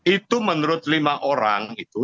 itu menurut lima orang